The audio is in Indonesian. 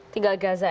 tinggal gaza ya